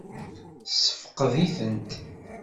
Tessefqed-itent?